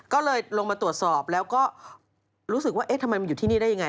ก็เลยลงมาตรวจสอบแล้วก็รู้สึกว่าเอ๊ะทำไมมันอยู่ที่นี่ได้ยังไง